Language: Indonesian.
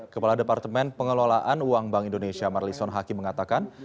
kepala departemen pengelolaan uang bank indonesia marlison hakim mengatakan